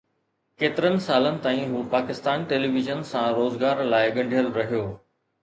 ڪيترن سالن تائين هو پاڪستان ٽيليويزن سان روزگار لاءِ ڳنڍيل رهيو